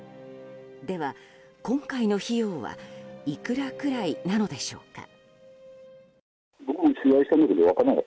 では今回の費用はいくらくらいなのでしょうか。